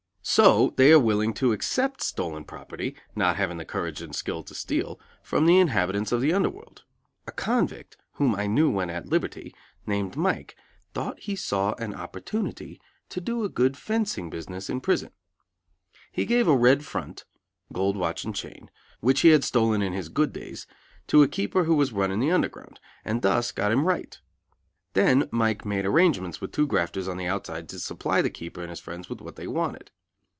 So they are willing to accept stolen property, not having the courage and skill to steal, from the inhabitants of the under world. A convict, whom I knew when at liberty, named Mike, thought he saw an opportunity to do a good "fencing" business in prison. He gave a "red front" (gold watch and chain), which he had stolen in his good days, to a certain keeper who was running the Underground, and thus got him "right." Then Mike made arrangements with two grafters on the outside to supply the keeper and his friends with what they wanted.